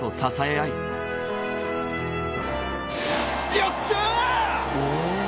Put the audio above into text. よっしゃ！